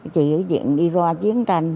chỉ có chuyện đi ra chiến tranh